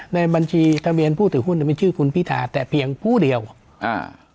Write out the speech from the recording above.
ในบัญชีทะเบียนผู้ถือหุ้นเนี้ยมันชื่อคุณพิธาแต่เพียงผู้เดียวอ่า